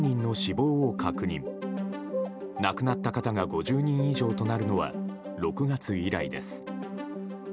亡くなった方が５０人以上となるのは６月以来です。